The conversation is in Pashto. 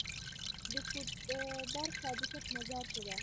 د کود او برق فابریکه په مزار کې ده